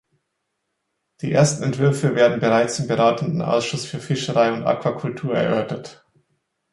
Die ersten Entwürfe werden bereits im Beratenden Ausschuss für Fischerei und Aquakultur erörtert.